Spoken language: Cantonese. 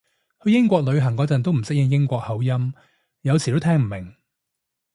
去英國旅行嗰陣都唔適應英國口音，有時都聽唔明